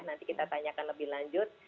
nanti kita tanyakan lebih lanjut